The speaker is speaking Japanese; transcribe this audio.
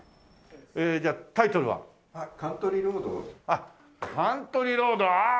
あっ『カントリーロード』ああ